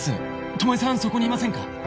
巴さんそこにいませんか？